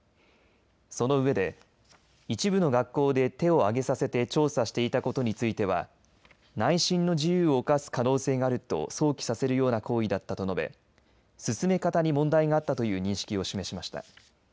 その上で一部の学校で手をあげさせて調査していたことについては内心の自由を侵す可能性があると想起させるような行為だったと述べ進め方に問題があったという認識を示しました。